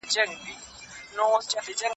ملت پالنه څنګه د هېوادونو پر سياست اغېز کوي؟